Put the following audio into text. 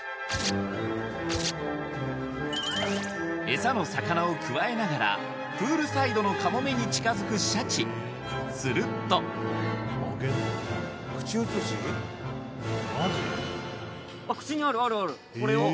エサの魚をくわえながらプールサイドのカモメに近づくシャチすると口にあるあるこれは？